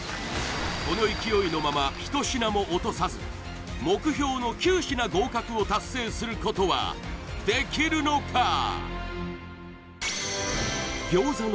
この勢いのまま一品も落とさず目標の９品合格を達成することはできるのか！？